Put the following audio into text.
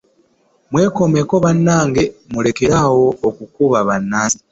Mwekomeko bannange mulekere awo okukuba bannansi.